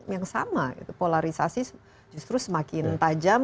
yang sama polarisasi justru semakin tajam